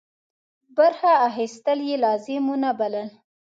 برخه اخیستل یې لازم ونه بلل.